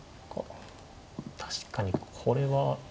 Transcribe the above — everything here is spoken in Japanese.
確かにこれは。